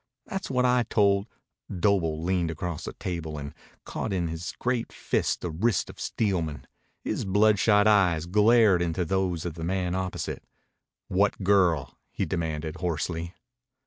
That's what I told " Doble leaned across the table and caught in his great fist the wrist of Steelman. His bloodshot eyes glared into those of the man opposite. "What girl?" he demanded hoarsely.